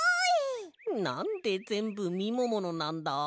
なんでぜんぶみもものなんだ？